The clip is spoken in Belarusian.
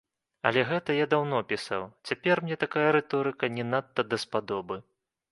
Але гэта я даўно пісаў, цяпер мне такая рыторыка не надта даспадобы.